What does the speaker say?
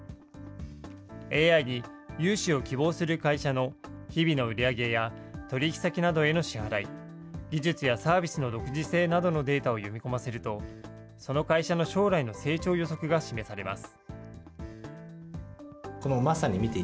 ＡＩに融資を希望する会社の日々の売り上げや取り引き先などへの支払い、技術やサービスの独自性などのデータを読み込ませると、その会社の将来の成長予測が示されます。